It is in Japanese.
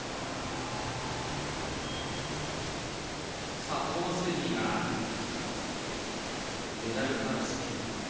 さあ、トーマス・デーリーがメダル争い。